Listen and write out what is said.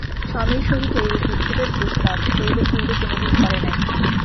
স্বামীর সহিত এরূপ বিচ্ছেদের প্রস্তাব শৈল পূর্বে কোনোদিন করে নাই।